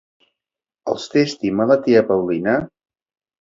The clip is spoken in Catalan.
Els té estima la tia Paulina?